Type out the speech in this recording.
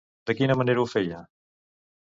De quina manera ho feia?